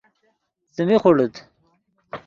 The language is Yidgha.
څیمی خوڑیت